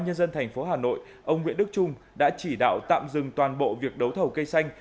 nhân dân thành phố hà nội ông nguyễn đức trung đã chỉ đạo tạm dừng toàn bộ việc đấu thầu cây xanh